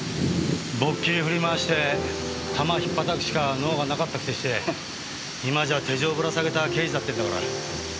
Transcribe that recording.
棒っきれ振り回して球ひっぱたくしか能がなかったくせして今じゃ手錠ぶらさげた刑事だってんだから。